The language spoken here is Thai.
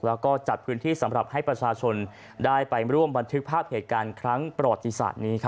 แล้วก็จัดพื้นที่สำหรับให้ประชาชนได้ไปร่วมบันทึกภาพเหตุการณ์ครั้งประวัติศาสตร์นี้